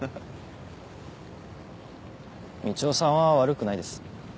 みちおさんは悪くないです。